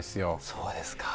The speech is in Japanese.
そうですか。